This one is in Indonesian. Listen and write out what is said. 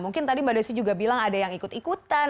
mungkin tadi mbak desi juga bilang ada yang ikut ikutan